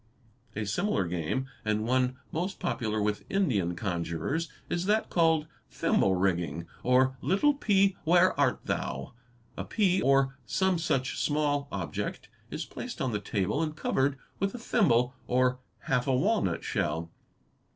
A similar game, and one most popular with Indian conjurors, is that called Thimble rigging, or '' Little pea, where art thou?" A pea or some such small object is placed on the table and covered with a thimble or half a walnut shell.